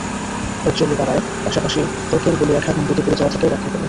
ঔজ্জ্বল্য বাড়ায়, পাশাপাশি ত্বকের বলিরেখা এবং রোদে পুড়ে যাওয়া থেকেও রক্ষা করে।